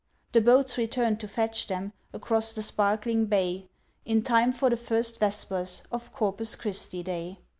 The boats return to fetch them, Across the sparkling bay, In time for the First Vespers Of Corpus Christi Day.